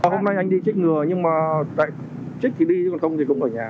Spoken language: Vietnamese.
hôm nay anh đi chích ngừa nhưng mà chích thì đi chứ không thì cũng ở nhà